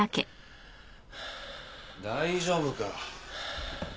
大丈夫か？